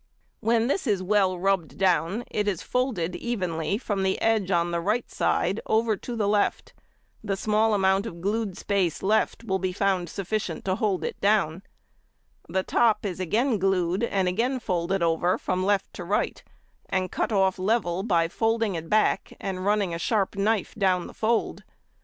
When this is well rubbed down it is folded evenly from the edge on the right side over to the left, the small amount of glued space left will be found sufficient to hold it down; the top is again glued |88| and again folded over from left to right, and cut off level by folding it back and running a sharp knife down the fold.